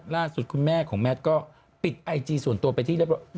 ล่าสุดคุณแม่ของแมทก็ปิดไอจีส่วนตัวไปที่เรียบร้อย